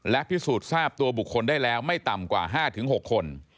และพิสูจน์ทราบตัวบุคคลได้แล้วไม่ต่ำกว่า๕๖คน